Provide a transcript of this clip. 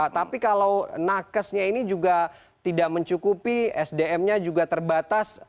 tapi kalau nakesnya ini juga tidak mencukupi sdm nya juga terbatas